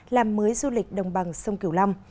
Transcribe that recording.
làm mới du lịch đồng bằng sông kiểu long